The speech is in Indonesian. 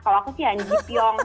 kalau aku sih han ji pyeong